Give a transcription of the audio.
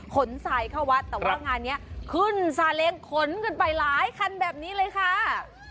ทรายเข้าวัดแต่ว่างานนี้ขึ้นซาเล้งขนกันไปหลายคันแบบนี้เลยค่ะ